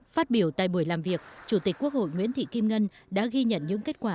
phát biểu tại buổi làm việc chủ tịch quốc hội nguyễn thị kim ngân đã ghi nhận những kết quả